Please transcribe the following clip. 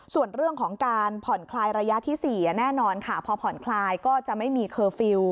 ส่วนเรื่องของการผ่อนคลายระยะที่๔แน่นอนค่ะพอผ่อนคลายก็จะไม่มีเคอร์ฟิลล์